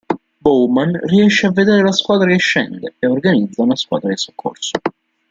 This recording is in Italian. Bowman riesce a vedere la squadra che scende, e organizza una squadra di soccorso.